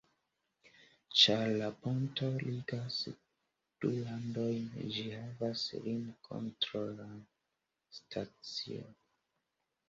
Ĉar la ponto ligas du landojn, ĝi havas lim-kontrolan stacion.